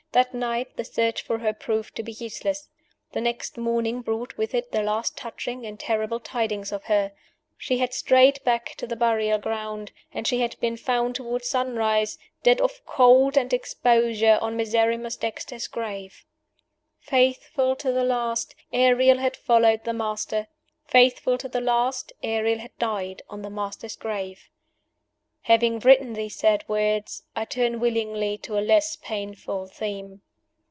That night the search for her proved to be useless. The next morning brought with it the last touching and terrible tidings of her. She had strayed back to the burial ground; and she had been found toward sunrise, dead of cold and exposure, on Miserrimus Dexter's grave. Faithful to the last, Ariel had followed the Master! Faithful to the last, Ariel had died on the Master's grave! Having written these sad words, I turn willingly to a less painful theme.